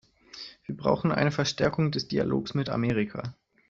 Wir brauchen eine Verstärkung des Dialogs mit Amerika.